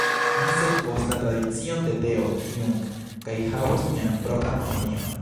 Ni sekvos la tradicion de Teo Jung kaj havos nian propran opinion.